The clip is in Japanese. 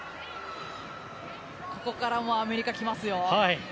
ここからアメリカ来ますよ。